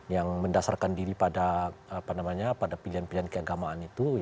yang mendasarkan diri pada pilihan pilihan keagamaan itu